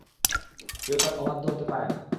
কেউ তার অবাধ্য হতে পারে না।